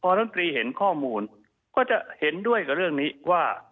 รัฐมนตรีเห็นข้อมูลก็จะเห็นด้วยกับเรื่องนี้ว่า